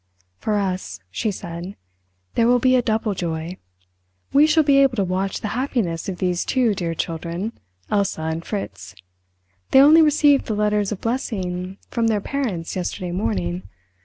"For us," she said, "there will be a double joy. We shall be able to watch the happiness of these two dear children, Elsa and Fritz. They only received the letters of blessing from their parents yesterday morning.